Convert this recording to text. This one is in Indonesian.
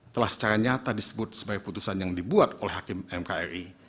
telah secara nyata disebut sebagai putusan yang dibuat oleh hakim mkri